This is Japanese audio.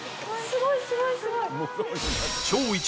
すごいすごい！